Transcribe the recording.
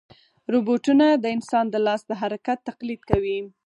روبوټونه د انسان د لاس د حرکت تقلید کوي.